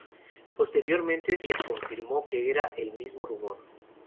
Posteriormente se confirmó que era el mismo rumor.